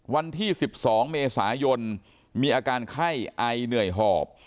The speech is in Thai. วันที่๑๒เมษายนมีอาการไข้ไอเหนื่อยหอบ